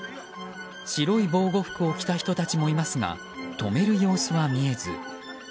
白い防護服を着た人たちもいますが止める様子は見えず。